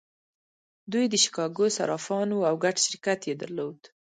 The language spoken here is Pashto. دوی د شیکاګو صرافان وو او ګډ شرکت یې درلود